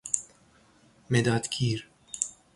مداد گیر